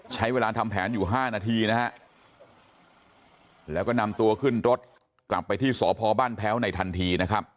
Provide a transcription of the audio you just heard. ใช้เวลาทำแผนอยู่๕นาทีนะฮะแล้วก็นำตัวขึ้นรถกลับไปที่สพบ้านแพ้วในทันทีนะครับ